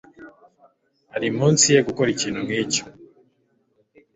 Ari munsi ye gukora ikintu nkicyo.